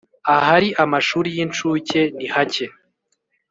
Ahari amashuri y incuke nihake